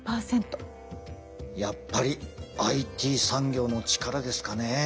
やっぱりＩＴ産業の力ですかね？